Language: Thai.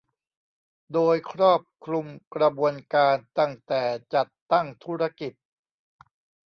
โดยครอบคลุมกระบวนการตั้งแต่จัดตั้งธุรกิจ